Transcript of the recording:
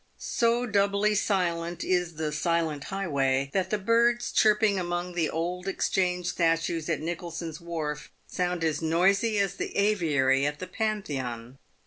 So doubly silent is " the silent highway," that the birds chirping among the Old Exchange statues at Nicholson's wharf sound as noisy as the aviary at the Pantheon.